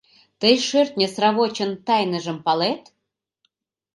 — Тый шӧртньӧ сравочын тайныжым палет?